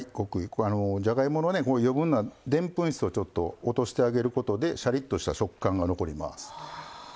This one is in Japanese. じゃがいもの余分なでんぷん質を落としてあげることでシャリっとした食感が残ります。